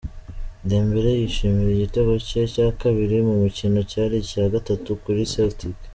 Dembele yishimira igitego cye cya kabiri mu mukino cyari icya gatatu kuri Celtic .